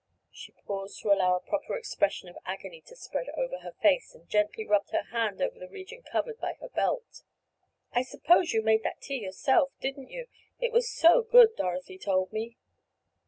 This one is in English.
She paused to allow a proper expression of agony to spread over her face, and gently rubbed her hand over the region covered by her belt. "I suppose you made that tea yourself, didn't you? It was so good, Dorothy told me."